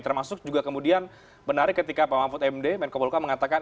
termasuk juga kemudian menarik ketika pak mahfud md menko polka mengatakan